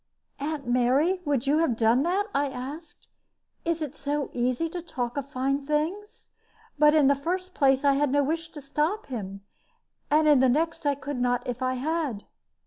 "Aunt Mary, would you have done that?" I asked. "It is so easy to talk of fine things! But in the first place, I had no wish to stop him; and in the next, I could not if I had."